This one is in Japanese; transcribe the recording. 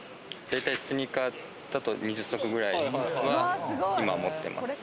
だいたいスニーカーだと２０足くらいは今持ってます。